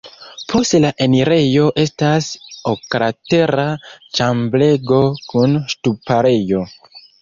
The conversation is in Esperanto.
Post la enirejo estas oklatera ĉambrego kun ŝtuparejo.